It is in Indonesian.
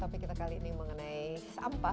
topik kita kali ini mengenai sampah